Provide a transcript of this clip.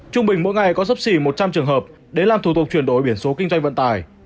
trung bình mỗi ngày có sắp xỉ một trăm linh trường hợp đến làm thủ tục chuyển đổi biển số kinh doanh vận tải